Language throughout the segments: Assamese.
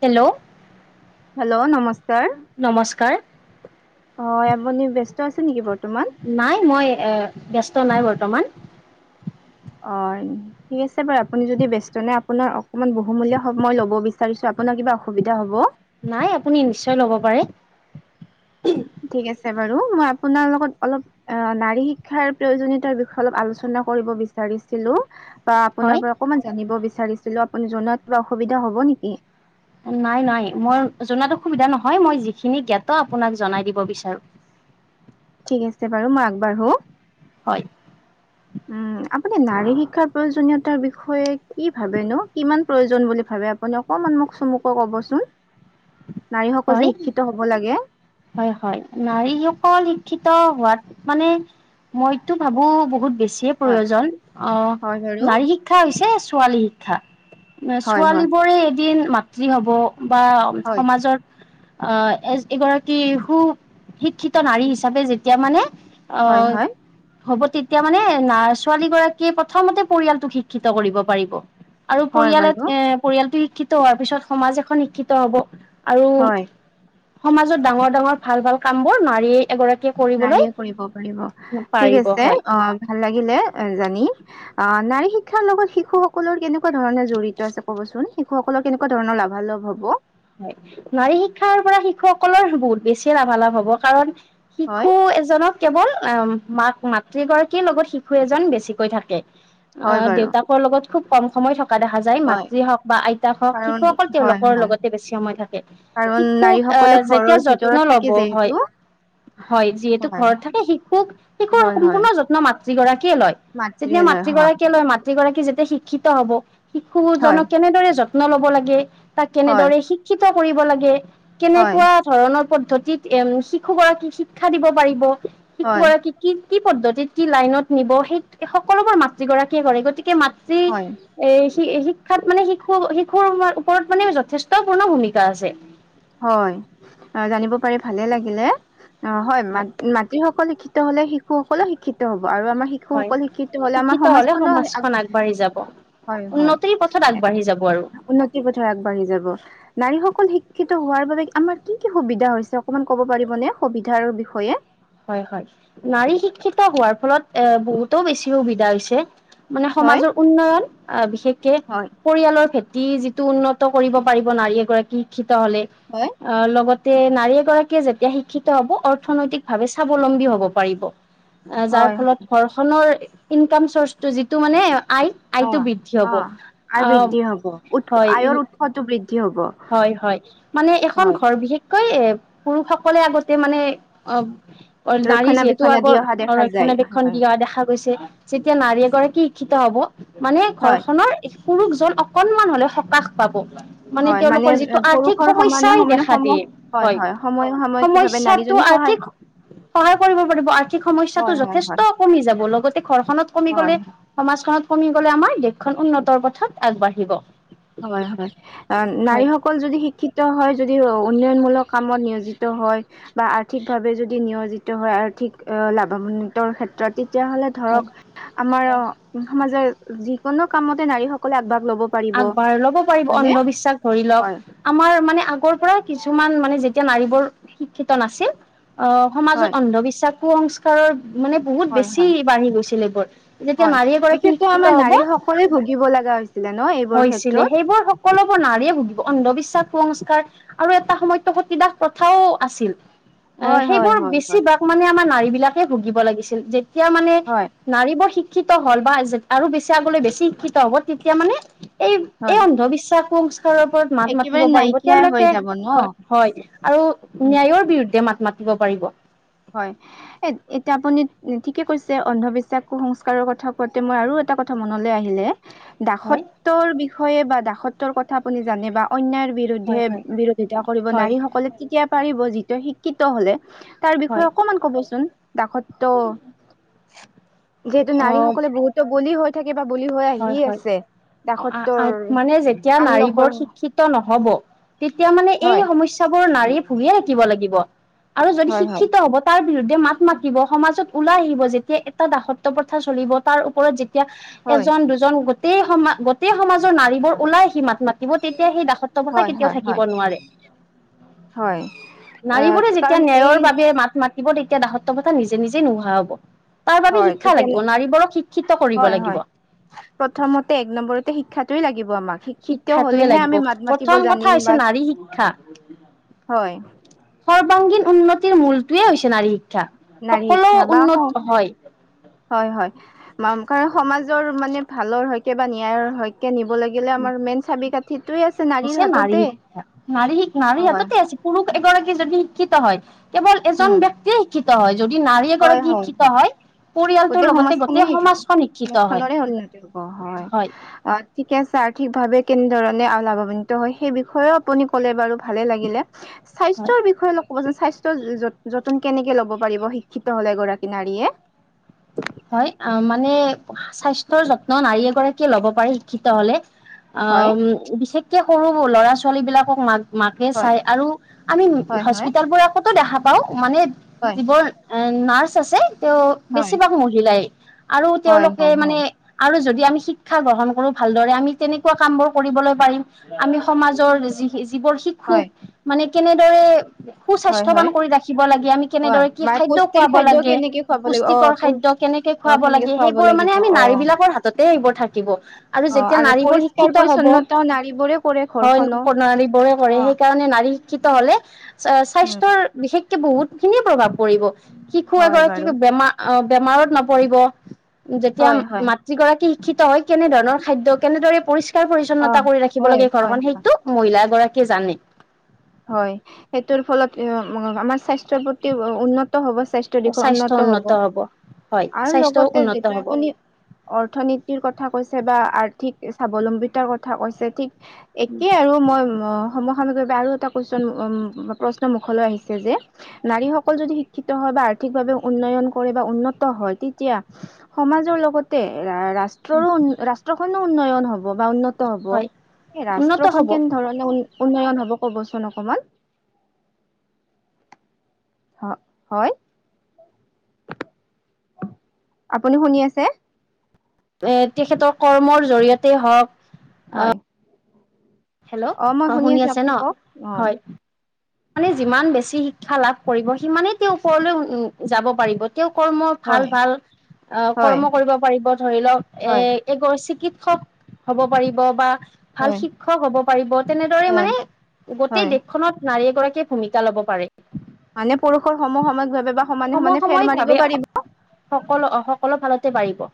হেল্ল' হেল্ল' নমস্কাৰ। নমস্কাৰ। অ আপুনি ব্যস্ত আছে নেকি বৰ্ত নাই মই এ ব্যস্ত নাই বৰ্তমান অ ঠিক আছে বাৰু আপুনি যদি বস্ত নাই আপোনাৰ অকমান বহুমূলীয়াব সময় লব বিচাৰিছোঁ। আপোনাৰ কিবা অসুবিধা হ'ব। নাই আপুনি নিশ্চয় লব পাৰে ঠিক আছে বাৰু মই আপোনাৰ লগত অলপ অ নাৰী শিক্ষাৰ প্ৰয়োজনীয়তাৰ বিষয়ে অলপ আলোচনা কৰিব বিচাৰি ছিলো। বা হয় আপোনাৰ পৰা অকনমান জানিব বিচাৰিছিলোঁ আপুনি জনাত কিবা অসুবিধা হ'ব নেকি নাই নাই মই জনাতো অসুবিধা নহয় মই যিখিনি জ্ঞাত আপোনাক জনাই দিব বিচাৰো। ঠিক আছে বাৰু মই এগবাঢ়ো হয় উম আপুনি নাৰী শিক্ষাৰ প্ৰয়োজনীয়তাৰ বিষয়ে কি ভাবেনো কিমান প্ৰয়োজন বুলি ভাবে। আপুনি অকমান মোক চমুকৈ কবচোন নাৰীসকল যে হয় শিক্ষিত হ'ব লাগে হয় হয় নাৰীসকল শিক্ষিত। হোৱাত মানে মইতো ভাবো বহুত বেছিয়ে হয়, প্ৰয়োজন অ হয় বাৰু নাৰী শিক্ষা হৈছে ছোৱালী শিক্ষা হয়, হয়, ছোৱালীবোৰে এদিন মাতৃ হ'ব বা হয়, সমাজত আহ এ এগৰাকী সু শিক্ষিত নাৰী হিচাপে যেতিয়া মানে। অ হয়, হয়, হ'ব তেতিয়া মানে না ছোৱালী গৰাকীয়ে প্ৰথমতে পৰিয়ালটোক শিক্ষিত কৰিব পাৰিব। আৰু হয় পৰিয়ালে বাৰু পৰিয়ালটো শিক্ষিত হোৱাৰ পিছত সমাজ এখন শিক্ষিত হব আৰু হয়। সমাজত ডাঙৰ ডাঙৰ ভাল ভাল কামবোৰ নাৰীয়ে এগৰাকী নাৰীয়ে কৰিব পাৰিব ঠিক পাৰিব আছে হয় অ। ভাল লাগিলে জানি অ নাৰী শিক্ষাৰ লগত শিশুসকলৰ কেনেকুৱা কেনেকুৱা ধৰণে জড়িত আছে ক'বচোন শিশুকল কেনেুৱা ধৰণৰ লাভালাভ হব হয় নাৰী শিক্ষাৰ পৰা শিশুসকলৰ বহুত বেছি লাভালাভ হব কাৰণ। হয়, শিশু এজনক কেৱল মাক মাতৃগৰাকীৰ লগত শিশু এজন বেছিকৈ থাকে। অ হয় বাৰু দেউতাকৰ লগত খুব কম সময় থাকে। দেখা যায় হয় মাতৃ হওঁক বা আইতাক হওঁক কাৰণ শিশুসকল হয়, তেওঁলোকৰ হয়। লগত। বেছি সময় থাকে কাৰণ শিশুক নাৰীসকলে আহ যেতিয়া ঘৰৰ যত্ন ভিতৰত থাকে লব যিহেতু হয় হয় যিহেতু হয়, ঘৰত থাকে শিশুক শিশুৰ হয়, হয়। সম্পূৰ্ণ যত্ন মাতৃ গৰাকীয়ে লয়। মাতৃয়ে যেতিয়া লয় হয়, মাতৃগৰাকীয়ে লয় মাতৃ। গৰাকী যেতিয়া শিক্ষিত হব হয়, শিশুজনক কেনেদৰে যত্ন লব লাগে,। তাক হয়, কেনেদৰে শিক্ষিত কৰিব লাগে, হয়, কেনেকুৱা ধৰণৰ পদ্ধতিত এম শিশু গৰাকীক শিক্ষা দিব পাৰিব শিশু হয়, গৰাকী কি কি পদ্ধতি কি লাইনত নিব সেই সকলোবোৰ মাতৃগৰাকীয়ে কৰে গতিকে মাতৃ। হয়। তৃ শিক্ষাত মানে শিশু শিশুৰ ওপৰত মানে যথে ষ্টপূৰ্ণ ভূমিকা আছে হয় অ জানিব পাৰি ভালে লাগিলে অ হয় ম মাতৃ সকল শিক্ষিত হ'লে শিশুসকলো শিক্ষিত হ'ব। আৰু আমাৰ হয় শিশুসকল শিক্ষিত হলে আমাৰ হলে সমাজখনো সমাজখন আগবাঢ়ি যাব। হয় হয় উন্নতিৰ পথত আগবাঢ়ি যাব আৰু উন্নতিৰ পথাৰ আগবাঢ়ি যাব নাৰীসকল শিক শিক্ষিত হোৱাৰ বাবে আমাৰ কি কি সুবিধা হৈছে অকমান ক'ব পাৰিবনে সুবিধাৰ বিষয়ে হয় হয় নাৰী শিক্ষিতা হোৱাৰ ফলত এ বহুতো বেছি সুবিধা হৈছে। মানে হয় সমাজৰ উন্নয়ন আহ বিশেষকে হয় পৰিয়ালৰ ক্ষে যিটো উন্নত কৰিব পাৰিব নাৰী এগৰাকী শিক্ষিত হলে হয় আহ লগত তে নাৰী এগৰাকীয়ে যেতিয়া শিক্ষিত হব অৰ্থনৈতিক ভাৱে স্বাৱলম্বী হব পাৰিব। অ যাৰ হয় ফলত ঘৰখনৰ ইনকাম চৰ্চটো যিটো মানে আই অ আইটো বৃদ্ধি অ হব আয় অহ বৃদ্ধি হব উৎ আয়ৰ হয়। উৎসটো বৃদ্ধি হব হয় হয় মানে এখন হয় ঘৰ বিশেষ কৈ পুৰুষসকলে আগতে মানে অ অ নাৰী যিহেতু ৰক্ষণাবেক্ষণ দি আগৰ অহা দেখা যায় ৰক্ষণাবেক্ষণ হয় দিয়া দেখা গৈছে যেতিয়া নাৰী এগৰাকী শিক্ষিত হব মানে হয় ঘৰখনৰ পুৰুষজন অকনমান হলেও সকাহ পাব মানে হয় তেওঁলোকৰ যিটো আৰ্থিক পুৰুষৰ সমানে সমস্যাই সমানে দেখা সম দিয়ে হয় সময় সাময়িক ভাৱে সমস্যাটো নাৰীজনী সহায় আৰ্থিক সহায় কৰিব পাৰিব আৰ্থিক সমস্যাটো হয় হয় হয় যথেষ্ট কমি যাব লগতে ঘৰখনত কমি গলে হয় সমাজখনত কমি গলে আমাৰ দেশখন উন্নতৰ পথত আগবাঢ়িব। হয় হয় আহ হয় নাৰীসকল যদি শিক্ষিত হয় যদি উন্নয়নমূলক কামত নিয়োজিত হয় বা আৰ্থিকভাৱে যদি নিয়জিত হয় আৰ্থিক অ লাভান্বিতৰ ক্ষেত্ৰতে তেতিয়াহলে হয় ধৰক আমাৰ সমাজৰ যিকোনো কামতে নাৰী সকলে আগ ভাগ ল'ব পাৰিব আগবাঢ় লব পাৰিব হয়নে অন্ধবিশ্বাস ধৰি লওক হয় আমাৰ মানে আগৰ পৰা কিছু মান মানে যেতিয়া নাৰীবোৰ শিক্ষিত নাছিল অ সমাজত হয় অন্ধবিশ্বাস কুসংস্কাৰৰ মানে বহুত হয় বেছি হয় বাঢ়ি গৈছিল এইবোৰ যেতিয়া হয় নাৰী এগৰাকী বিশেষকৈ আমাৰ শিক্ষিত হব। নাৰীসকলে ভুগিব লগা হৈছিলে ন এইবোৰ হৈছিলে ক্ষেত্ৰত সেইবোৰ সকলোবোৰ নাৰীয়ে ভুগিব অন্ধবিশ্বাস কু সংস্কাৰ ৰ আৰু এটা সময়ত সতীদাস প্ৰথাও আছিল। এ হয় হয় সেইবোৰ হয় হয় বেছি ভাগ মানে আমাৰ নাৰী বিলাকে ভুগিব লাগিছিল যে তেতিয়া মানে হয় নাৰীবোৰ শিক্ষিত হ'ল বা আৰু বেছি আগলৈ বেছি শিক্ষিত হ'ব তেতিয়া মানে এই এই হয় অন্ধবিশ্বাস কুসং স্কাৰৰ ওপৰত মাত একেবাৰে মাতিব পাৰিব নাইকিয়াই হৈ তেওঁলোকে যাব ন হয় হয় আৰু উম ন্যায়ৰ বিৰুদ্ধে মাত মাতিব পাৰিব। হয় এ এতিয়া আপুনি ঠিকে কৈছে অন্ধবিশ্বাস কুসংস্কাৰৰ কথা কওঁতে মই আৰু এটা কথা মনলৈ আহিলে, হয় দাসত্বৰ বিষয়ে বা দাসত্বৰ কথা আপুনি জানে বা অন্যায় বিৰুদ্ধে হয় হয় বিৰোধিতা কৰিব হয় নাৰি সকলে তেতিয়া পাৰিব যিটোৱে শিক্ষিত হলে তাৰ হয় বিষয়ে অকমান কবচোন দাসত্ব যিহেতু অ নাৰীসকলে বহুতো বলি হয়। হয় হয় দাসত্বৰ মানে যেতিয়া আনলকৰ নাৰীবোৰ শিক্ষিত ন হব তেতিয়া মানে এই হয় সমস্যাবোৰ নাৰীয়ে ভুগিয়ে থাকিব লাগিব। আৰু যদি হয় হয় শিক্ষিত হ'ব তাৰ বিৰুদ্ধে মাত মাতিব সমাজত ওলাই আহিব যেতিয়া এটা দাসত্ব প্ৰথা চলিব তাৰ ওপৰত যেতিয়া হয় এজন দুজন গোটেই সমাজ গোটেই সমাজৰ নাৰীবোৰ ওলাই সি মাত মাতি তেতিয়া সি ড সত বথাই হয় কেতিয়াও হয় থাকিব হয় নোৱাৰে। হয় অ' নাৰীবোৰে যেতিয়া কাৰণ এই ন্যায়ৰ বাবে মাত মাতি ব তেতিয়া দাহত্ব প্ৰথা নিজে নিজেই নোহোৱা হ'ব। তাৰ বাবে হয় শিক্ষা লাগিব তেতিয়াহ'লে নাৰীবোৰক শিক্ষিত কৰিব হয় লাগিব। হয় প্ৰথমতে এক নম্বৰতে শিক্ষটোয়ে লাগিব। আমাক শিক্ষিত শিক্ষাতোৱে হলেহে লাগিব আমি মাত মাতিব প্ৰথম কথা জানিম বা হৈছে নাৰী শিক্ষা হয় সৰ্বাংগীন উন্নতিৰ মূলটোৱে হৈছে নাৰী। শিক্ষা। নাৰী সকলো শিক্ষা বা উন্নত হয় হয়। কাৰণ সমাজৰ মানে ভালৰ হৈকে বা ন্যায়ৰ হৈকে নিব লাগিলে আমাৰ মেইন চাবি কাঠি হৈছে নাৰী শিক্ষা নাৰী শিক নাৰী হয় হাততেই আছে পৰুষ এগৰাকী যদি শিক্ষিত হয় কেৱল এজন উম ব্যক্তিয়ে শিক্ষিত হয়। যদি নাৰীয়ে এগৰাকী শিক্ষিত হয় পৰিয়ালটোৰ গোটেই লগতে সমাজ গোটেই খনেই শিকো সমাজখন শিক্ষিত মুখ হয় খনৰে উন্নতি হব হয়, অ ঠিকে আছে আৰ্থিকভাৱেও কেনেধৰণে লাভৱান্বিত হয় সেই বিষয়েও আপুনি ক'লে বাৰু ভালেই লাগিলে হয়। স্বাস্থ্যৰ বিষয়ে অলপ ক'বচোন স্বাস্থ্য যতন কেনেকে লব পাৰিব শিক্ষিত হলে এগৰাকী নাৰীয়ে হয় অ মানে স্বাস্থ্যৰ যত্ন নাৰী এগৰাকীয়ে ল'ব পাৰে শিক্ষিত হলে অ হয় বিশেষকে সৰু ল'ৰা ছোৱালী বিলাকক মাক মাকে হয় চাই আৰু আমি হয় হয় হস্পিতালবোৰটো দেখা পাওঁ মানে হয় যিবোৰ এ নাৰ্ছ আছে তেওঁ হয় বেছিভাগ মহিলাই আৰু হয় তেওঁলোকে হয় মানে হয় আৰু যদি আমি শিক্ষা গ্ৰহণ কৰো ভালদৰে আমি তেনেকুৱা কাম বোৰ কৰিবলৈ পাৰিম আমি সমাজৰ যি যিবোৰ হয় শিশুক মানে কেনেদৰে হয় সুস্বাস্থ্যৱান হয় কৰি ৰাখিব লাগে, আমি হয় কেনেদৰে কি মাৰ খাদ্য পুষ্টিৰ খুৱাব খাদ্য লাগে, কেনেকে খুৱাব লাগিব অ পুষ্টিকৰ খাদ্য কেনে অ খুৱাব কেনেকে লাগে খুৱাব সেইবোৰ মানে লাগিব আমি অ নাৰী বিলাকৰ হাততে সেইবোৰ থাকিব আৰু অ যেতিয়া নাৰীবোৰ পৰিষ্কাৰ শিক্ষিত হ'ব হব, পৰিচ্ছন্নতাও নাৰীবোৰে কৰে হয় ঘৰখনো নাৰীবোৰে কৰে অ শিক্ষিত হলে উম স্বাস্থ্যৰ বিশেষকে বহুত খিনিয়ে প্ৰভাৱ পৰিব শিশু হয় বাৰু এগৰাকীক বেমাৰ বেমাৰত নপৰিব যেতিয়া হয় হয় মাতৃগৰাকী শিক্ষিত হয় কেনেধৰণৰ খাদ্য কেনেদৰে পৰিষ্কাৰ অ পৰিচ্ছন্নতা কৰি ৰাখিব হয় লাগে ঘৰখন হয় সেইটো মহিলাগৰাকী কিয়ে জানে হয় সেইটোৰ ফলত আমাৰ স্বাস্থ্যৰ প্ৰতি উন্নত হব স্বাস্থ্য দিশ উন্নত হ'ব হয় আৰু স্বাস্থ্য লগতে উন্নত যিটো হব আপুনি অৰ্থনীতিৰ কথা কৈছে বা আৰ্থিক স্বাৱলম্বিতাৰ কথা কৈছে ঠিক একেই আৰু মই সমসাময়িক ভাৱে আৰু এটা প্ৰশ্ন মুখলৈ আহিছে যে নাৰীসকল যদি শিক্ষিত হয় বা আৰ্থিকভাৱে উন্নয়ন কৰে বা উন্নত হয় তেতিয়া সমাজৰ লগতে ৰাষ্ট্ৰৰো ৰাষ্ট্ৰখনো উন্নয়ন হ'ব বা উন্ন ন্নত হব। হয় উন্নত ৰাষ্ট্ৰখন হব কেনেধৰণে উ উন্নয়ন হব ক'বচোন অকমান হয় আপুনি শুনি আছে তেখেতৰ কৰ্মৰ জৰিয়তে হওঁক হয় হেল্ল' মই অ শুনি আছো আছে ন আপুনি কওক অ হয় মানে যিমান বেছি শিক্ষা লাভ কৰিব সিমানেই তেওঁ ওপৰলৈ উ যাব পাৰিব তেওঁ কৰ্ম ভাল হয় ভাল আ হয় কৰ্ম কৰিব পাৰিব ধৰি লওঁক এ হয় এ চিকি সৱ হ'ব পাৰিব বা ভাল হয় শিক্ষক হ'ব পাৰিব তেনেদৰে হয় মানে গোটেই হয় দেশখনত নাৰী এগৰাকীয়ে ভূমিকা ল'ব পাৰে। মানে পুৰুষৰ সম সাময়িকভাৱে বা সমানে সমানে ফেৰ সমসাময়িক মাৰিব ভাৱে পাৰিব সকলো সকলো ফালতে পাৰিব।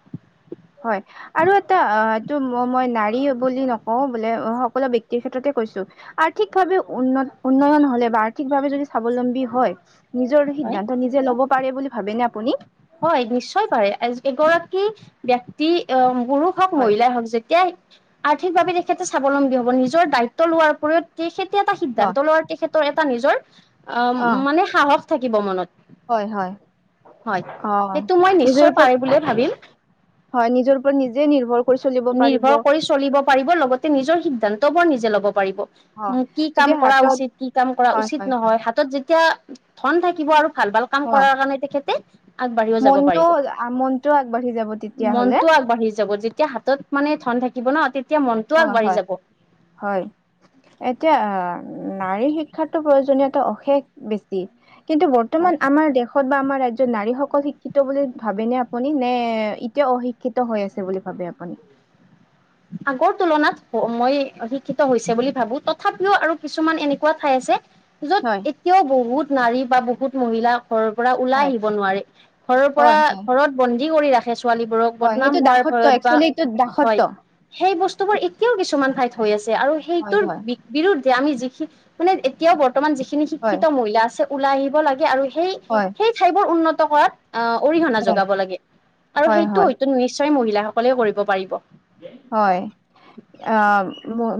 হয় আৰু এটা অ এইটো মই নাৰী বুলি নকওঁ বোলে সকলো ব্যক্তিৰক্ষেত্ৰতে কৈছো আৰ্থিকভাৱে উন্নত উন্নয়ন হলে বা আৰ্থিকভাৱে যদি স্বাৱলম্বী হয়। নিজৰ হয় সিদ্ধান্ত নিজে ল'ব পাৰে বুলি ভাবেনে আপুনি? হয় নিশ্চয় পাৰে এগৰাকী ব্যক্তি আ পুৰুষ হওঁক হয় মহিলাই হওঁক যেতিয়া আৰ্থিকভাৱে তেখেতে স্বাৱলম্বী হ'ব নিজৰ দায়িত্ব লোৱাৰ উপৰিও তেখেতে এটা অ সিদ্ধান্ত লোৱাৰ তেখেত এটা নিজৰ অ মানে সাহস থাকিব মনত। হয় হয় হয় অ সেইটো মই নিজৰ নিশ্চয় পাৰে বুলিয়ে ওপৰত ভাবিম হয় নিজৰ ওপৰত নিজে নিৰ্ভৰ কৰি চলিব পাৰিব। নিৰ্ভৰ সিদ্ধান্তবোৰ নিজে ল'ব পাৰিব হয় কি কাম যদি কৰা হাতত উচিত কি কাম কৰা হয় উচিত হয় হয় নহয় হাতত যেতিয়া ধন থাকিব আৰু ভাল ভাল কাম হয় কৰাৰ কাৰণে তেখেতে আগবাঢ়িও যাব মনটো পাৰিব। মনটো আগবাঢ়ি যাব তেতিয়াহলে মনটো আগবাঢ়ি যাব যেতিয়া হাতত মানে ধন থাকিব ন তেতিয়া মনটো হয় আগবাঢ়ি হয় যাব হয় এতিয়া অহ। নাৰীৰ শিক্ষাতো প্ৰয়োজনীয়তা অশেষ বেছি। কিন্তু হয় বৰ্তমান আমাৰ দেশত বা আমাৰ ৰাজ জত নাৰীসকল শিক্ষিত বুলি ভাবেনে আপুনি নে এতিয়াও অশিক্ষিত হৈ আছে বুলি ভাবে আপুনি? [inaudible] আগৰ তুলনাত মই শিক্ষিত হৈছে বুলি ভাবো তথাপিও আৰু কিছুমান এনেকুৱা ঠাই আছে হয় য'ত এতিয়াও বহুত নাৰী বা বহুত মহিলা ঘৰৰ পৰা ওলাই হয় আহিব নোৱাৰে ঘৰৰ পৰা হয় হয় ঘৰত বন্দী কৰি ৰাখে। ছোৱালীবোৰক হয় সেইটো বদনাম হোৱাৰ দাসত্ব ভয়ত বা একচুৱেলি এইটো দাসত্ব হয়। সেই বস্তু বোৰ এতিয়াও কিছুমান ঠাইত হৈ আছে আৰু হয় সেইটোৰ হয় বি যে আমি যিখিনি মানে এতিয়াও বৰ্তমান যিখিনি হয় শিক্ষিত মহিলা আছে ওলাই আহিব লাগে আৰু সেই হয় সেই ঠাইবোৰ উন্নত কৰাত অহ অৰিহণা হয় যোগাব লাগে আৰু হয় সেইটো হয় হয়তো নিশ্চয় মহিলাসকলেও কৰিব পাৰিব। হয় অ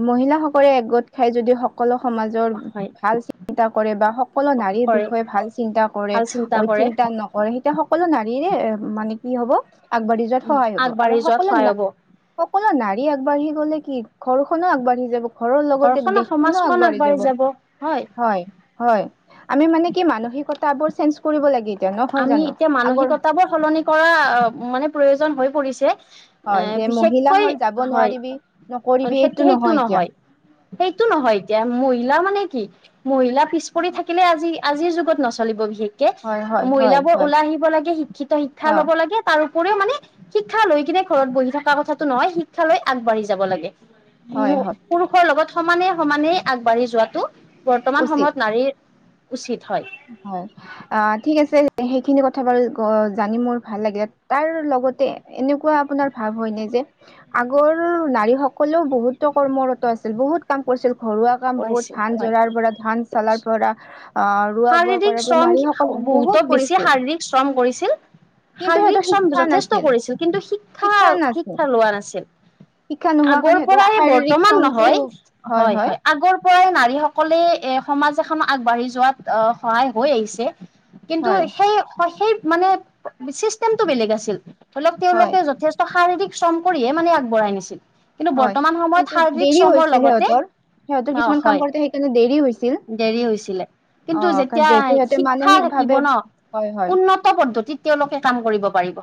মহিলাসকলে একগোট খাই যদি সকলো সমাজৰ হয় ভাল চিন্তা কৰে বা সকলো নাৰীৰ কৰে বিষয়ে ভাল চিন্তা কৰে ভাল অ হিত কৰে চিন্তা নকৰে সেই এতিয়া সকলো নাৰীৰে মানে কি হব। আগবাঢ়ি যোৱাত সহায় হ'ব আৰু আগবাঢ়ি যোৱাত সকলো সহায় না হ'ব সকলো নাৰী আগবাঢ়ি গ'লে কি ঘৰখনো আগবাঢ়ি যাব। ঘৰৰ লগতে দেশখনো আগবাঢ়ি যাব হয়। হয় আমি মানে কি মানসিকতা বোৰ চেঞ্জ কৰিব লাগিল। আমি এতিয়া মানসিকতাবোৰ সলনি কৰা মানে প্ৰয়োজন হৈ পৰিছে। হয় এ যে মহিলা বিশেষকৈ হল যাব হয়। নোৱাৰিবি নকৰিবি এইটো সেইটো সেইটো এতিয়া নহয়। সেইটো নহয় এতিয়া মহিলা মানে কি মহিলা পিছ পৰি থাকিলে আজি আজিৰ যুগত নচলিব বিশেষ কে হয় হয় হয় মহিলাবোৰ হয় ওলাই আহিব লাগে শিক্ষিত শিক্ষা হয় লব লাগে। তা তাৰ উপৰিও মানে শিক্ষা লৈ কিনে ঘৰত বহি থকা কথাটো নহয় শিক্ষা লৈ আগবাঢ়ি যাব লাগে। উম হয় হয় পুৰুষৰ লগত সমানে সমানেই আগবাঢ়ি যোৱাটো বৰ্তমান উচিত সময়ত নাৰীৰ উচিত। হয় হয় অ ঠিক আছে। সেইখিনি কথা বাৰু জানি মোৰ ভাল লাগে তাৰ লগতে এনেকুৱা আপোনাৰ ভাৱ হয় নে যে আগৰ নাৰী সকলেও বহুতো কৰ্মৰত আছিল বহুত কাম কৰিছিল। ঘৰুৱা কাম বহুত কৰিছে ধান হয় জৰাৰ পৰা ধান চালাৰ পৰা অহ বোৰ শাৰীৰিক কৰে শ্ৰম নাৰীসকলে বহুতো বহুত বেছি কৰিছিল। শাৰীৰিক শ্ৰম কৰিছিল কিন্তু শাৰীৰিক সিহঁতৰ শ্ৰম শিক্ষা যথেষ্ট নাছিল কৰিছিল কিন্তু শিক্ষা শিক্ষা লোৱা নাছিল। শিক্ষা নোহোৱা আগৰ কাৰণে সিহঁতৰ পৰাই শাৰীৰিক বৰ্তমান শ্ৰমটো নহয় হয়, হয় আগৰ পৰাই নাৰীসকলে এ সমাজ এখন আগবাঢ়ি যোৱাত সহায় হৈ আহিছে, কিন্তু হয় সেই সেই মানে চিষ্টেমটো বেলেগ আছিল ধৰি লওক হয় তেওঁলোকে যথেষ্ট শাৰীৰিক শ্ৰম কৰিয়ে মানে আগবঢ়াই নিছিল কিন্তু হয় বৰ্তমান সময়ত কিন্তু শাৰীৰিক দেৰি শ্ৰমৰ হৈছিল লগতে সিহঁতৰ সিহঁতৰ অ কিছুমান কাম হয় কৰোতে সেইকাৰণে দেৰি হৈছিল দেৰি হৈছিলে অ কিন্তু কাৰণ যেতিয়া যিহেতু সিহঁতে শিক্ষা থাকিব মানসিকভাৱে ন হয় হয় উন্নত পদ্ধতিত তেওঁলোকে কাম কৰিব পাৰিব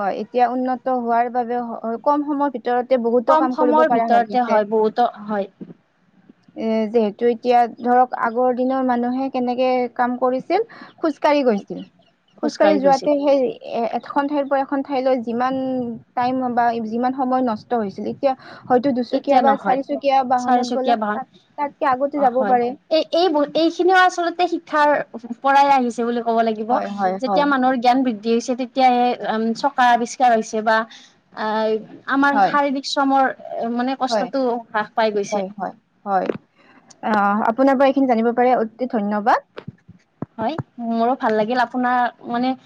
হয় এতিয়া উন্নত হোৱাৰ বাবে কম সময়ৰ ভিতৰত ভিতৰতে বহুতো কম কাম কৰিব সময়ৰ পৰা হৈ ভিতৰতে গিছে হয় বহুতো হয় এ যিহেতু এতিয়া ধৰক আগৰ দিনৰ মানুহে কেনেকে কাম কৰিছিল খোজকাঢ়ি হয় গৈছিল খোজকাঢ়ি যোৱাতে সেই এ এখন ঠাইৰ এখন ঠাইলৈ যিমান টাইম বা যিমান সময় নষ্ট হৈছিল এতিয়া হয়তো দুচকীয়া এতিয়া বা নহয় চাৰিচুকীয়া বাহনত গ'লে চাৰিচকীয়া বাহন তাতকে আগতে যাব হয় পাৰে এই এই এইখিনিও আচলতে শিক্ষাৰ পৰাই আহিছে বুলি ক'ব লাগিব হয় হয় হয় যেতিয়া মানুহৰ জ্ঞান বৃদ্ধি দি হৈছে তেতিয়ে উম চকা আৱিষ্কাৰ হৈছে বা আহ। আমাৰ হয় শাৰীৰিক শ্ৰমৰ। এ মানে হয় কষ্টতটো হ্ৰাস পাই গৈছে। অ আপোনাৰ বাৰু এইখিনি জানিব পাৰে অতি ধন্যবাদ। হয় মোৰো ভাল লাগিল আপোনাৰ মানে।